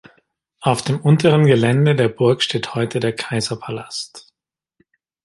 Auf dem unteren Gelände der Burg steht heute der Kaiserpalast.